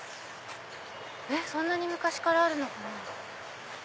そんなに昔からあるのかな？